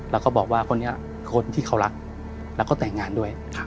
แล้วก็บอกว่าคนนี้คนที่เขารักแล้วก็แต่งงานด้วย